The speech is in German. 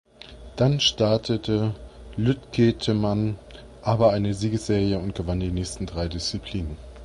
Dann startete Lütgehetmann aber eine Siegesserie und gewann die nächsten drei Disziplinen.